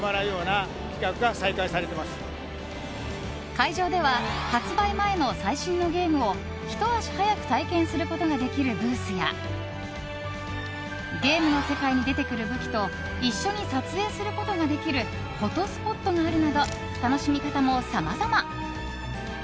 会場では発売前の最新のゲームをひと足早く体験することができるブースやゲームの世界に出てくる武器と一緒に撮影することができるフォトスポットがあるなど楽しみ方もさまざま。